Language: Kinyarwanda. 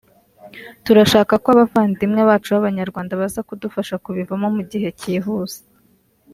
turashaka ko abavandimwe bacu b’Abanyarwanda baza kudufasha kubivamo mu gihe kihuse